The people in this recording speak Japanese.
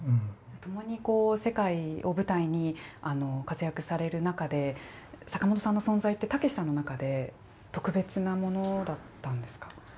共に世界を舞台に活躍される中で坂本さんの存在って武さんの中で特別なものだったんですか。